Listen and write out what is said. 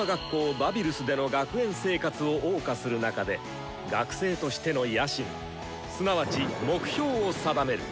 バビルスでの学園生活をおう歌する中で学生としての野心すなわち目標を定める。